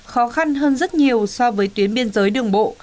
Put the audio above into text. khó khăn hơn rất nhiều so với tuyến biên giới đường bộ